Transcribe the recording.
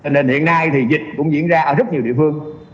nên hiện nay thì dịch cũng diễn ra ở rất nhiều địa phương